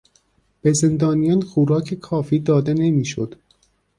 به زندانیان خوراک کافی داده نمیشد.